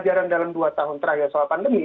jadi pelajaran dalam dua tahun terakhir soal pandemi